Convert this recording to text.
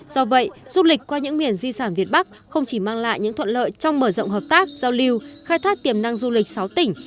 do vậy du lịch qua những miền di sản việt bắc không chỉ mang lại những thuận lợi trong mở rộng hợp tác giao lưu khai thác tiềm năng du lịch sáu tỉnh